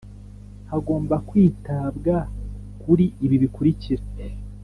hagomba kwitabwa kuri ibi bikurikira